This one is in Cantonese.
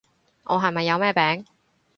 我係咪有咩病？